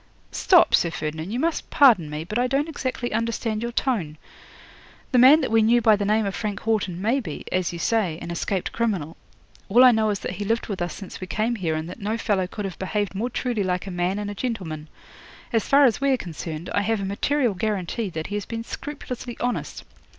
'"Stop, Sir Ferdinand, you must pardon me; but I don't exactly understand your tone. The man that we knew by the name of Frank Haughton may be, as you say, an escaped criminal. All I know is that he lived with us since we came here, and that no fellow could have behaved more truly like a man and a gentleman. As far as we are concerned, I have a material guarantee that he has been scrupulously honest.